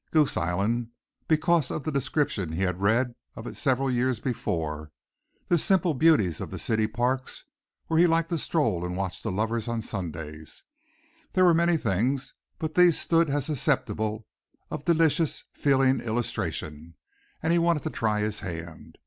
Goose Island, because of the description he had read of it several years before, the simple beauties of the city parks where he liked to stroll and watch the lovers on Sundays. There were many things, but these stood as susceptible of delicious, feeling illustration and he wanted to try his hand.